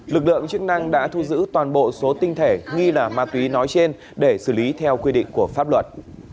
lực lượng chức năng đã thu giữ toàn bộ số tinh thể nghi là ma túy nói trên để xử lý theo quy định của pháp luật